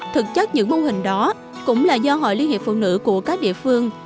thực chất những mô hình đó cũng là do hội liên hiệp phụ nữ của các địa phương